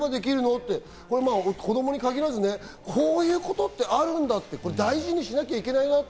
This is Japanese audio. って、子供に限らずね、こういうことってあるんだって大事にしなきゃいけないなって。